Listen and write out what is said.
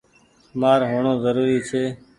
مآر هوڻو زوري ڇي۔